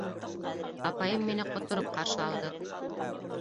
Апайым мине ҡотороп ҡаршы алды: